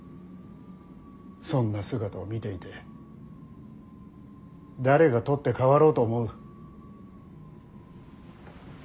そんな姿を見ていて誰が取って代わろうと思う。